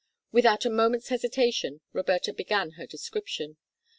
Without a moment's hesitation Roberta began her description.